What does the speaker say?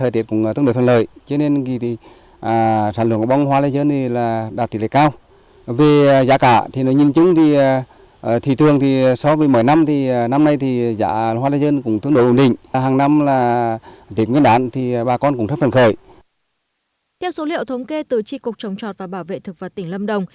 theo số liệu thống kê từ tri cục trống trọt và bảo vệ thực vật tỉnh lâm đồng